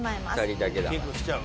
２人だけだから。